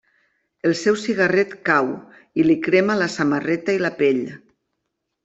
El seu cigarret cau i li crema la samarreta i la pell.